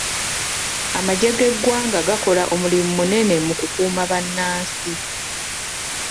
Amaggye g'eggwanga gakola omulimu munene mu kukuuma bannansi.